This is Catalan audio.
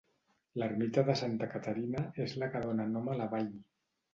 L'Ermita de Santa Caterina és la que dóna nom a la vall.